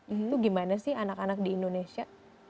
itu gimana sih anak anak di indonesia